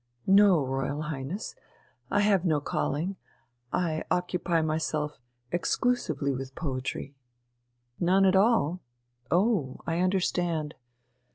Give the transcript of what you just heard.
"No, Royal Highness, I have no calling; I occupy myself exclusively with poetry...." "None at all.... Oh, I understand.